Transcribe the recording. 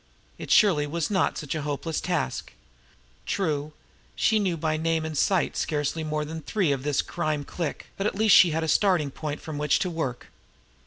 It surely was not such a hopeless task! True, she knew by name and sight scarcely more than three of this crime clique, but at least she had a starting point from which to work.